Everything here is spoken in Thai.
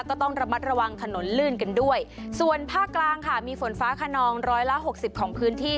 ก็ต้องระมัดระวังถนนลื่นกันด้วยส่วนภาคกลางค่ะมีฝนฟ้าขนองร้อยละหกสิบของพื้นที่